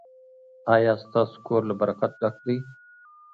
ایا ستاسو کور له برکت ډک دی؟